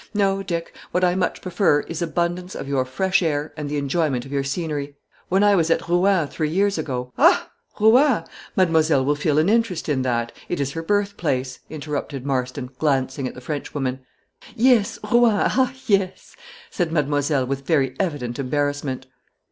No, Dick, what I much prefer is, abundance of your fresh air, and the enjoyment of your scenery. When I was at Rouen three years ago " "Ha! Rouen? Mademoiselle will feel an interest in that; it is her birth place," interrupted Marston, glancing at the Frenchwoman. "Yes Rouen ah yes!" said mademoiselle, with very evident embarrassment.